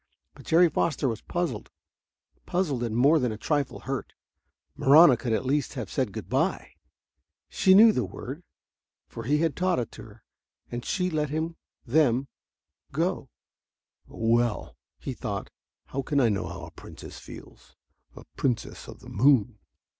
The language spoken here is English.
But Jerry Foster was puzzled, puzzled and more than a trifle hurt. Marahna could at least have said good by. She knew the word, for he had taught it to her. And she had let him them go.... "Oh, well," he thought, "how can I know how a princess feels a princess of the moon?